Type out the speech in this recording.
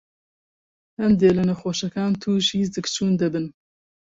هەندێ لە نەخۆشەکان تووشى زگچوون دەبن.